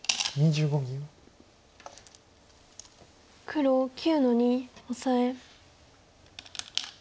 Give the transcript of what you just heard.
黒９の二オサエ。